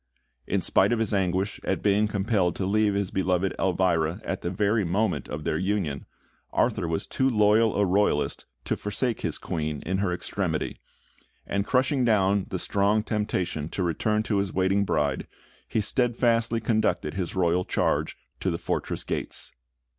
In spite of his anguish at being compelled to leave his beloved Elvira at the very moment of their union, Arthur was too loyal a Royalist to forsake his Queen in her extremity; and crushing down the strong temptation to return to his waiting bride, he steadfastly conducted his royal charge to the fortress gates.